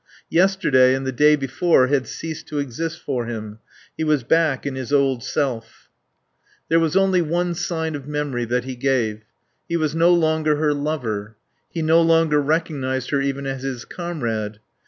Yesterday and the day before had ceased to exist for him. He was back in his old self. There was only one sign of memory that he gave. He was no longer her lover; he no longer recognised her even as his comrade.